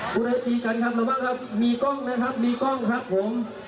กุญไฟก่อนครับมีกล้องนะครับมีกล้องครับผม